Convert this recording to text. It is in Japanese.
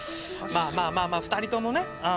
まあまあまあまあ２人ともね。